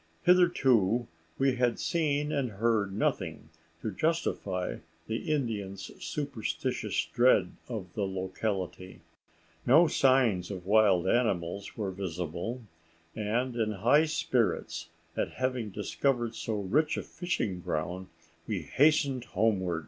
Hitherto we had seen and heard nothing to justify the Indians' superstitious dread of the locality. No signs of wild animals were visible, and in high spirits at having discovered so rich a fishing ground we hastened homeward.